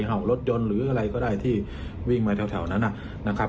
เห่ารถยนต์หรืออะไรก็ได้ที่วิ่งมาแถวนั้นนะครับ